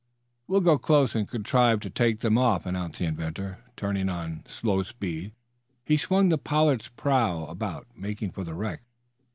"We'll go close and contrive to take them off," announced the inventor. Turning on slow speed, he swung the "Pollard's" prow about, making for the wreck.